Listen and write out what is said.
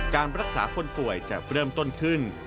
การรักษาคนป่วยจะเริ่มต้นขึ้น